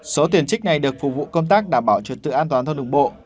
số tuyển trích này được phục vụ công tác đảm bảo trật tự an toàn giao thông đường bộ